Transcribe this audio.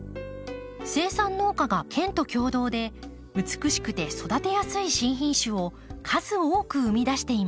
生産農家が県と共同で美しくて育てやすい新品種を数多く生み出しています。